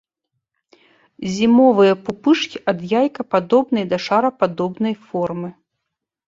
Зімовыя пупышкі ад яйкападобнай да шарападобнай формы.